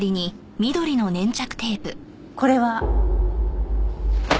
これは？